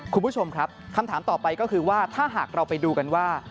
คุณผู้ชมครับคำถามต่อไปก็คือว่าถ้าหากเราไปดูกันว่า